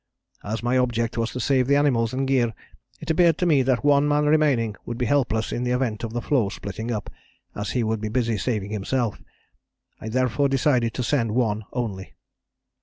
As my object was to save the animals and gear, it appeared to me that one man remaining would be helpless in the event of the floe splitting up, as he would be busy saving himself. I therefore decided to send one only.